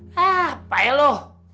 hah apa elu